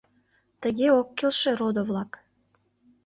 Тыге ок келше, родо-влак...